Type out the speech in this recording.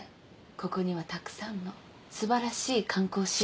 ここにはたくさんの素晴らしい観光資源が。